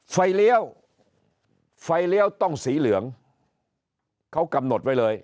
เลี้ยวไฟเลี้ยวต้องสีเหลืองเขากำหนดไว้เลย